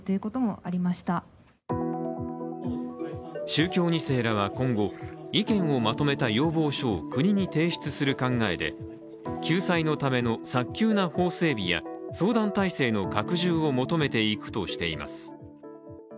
宗教２世らは今後、意見をまとめた要望書を国に提出する考えで、救済のための早急な法整備や相談体制の拡充を求めていくとしています。